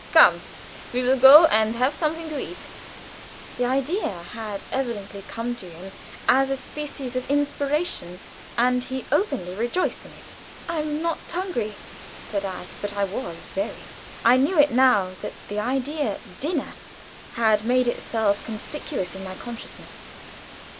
Come, we will go and have something to eat." The idea had evidently come to him as a species of inspiration, and he openly rejoiced in it. "I am not hungry," said I; but I was, very. I knew it now that the idea "dinner" had made itself conspicuous in my consciousness.